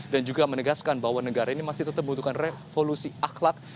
dan juga menegaskan bahwa negara ini masih tetap membutuhkan revolusi akhlak